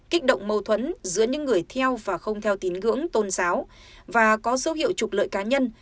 kích động mâu thuẫn giữa những người theo và không theo tín ngưỡng tôn giáo và có dấu hiệu trục lợi cá nhân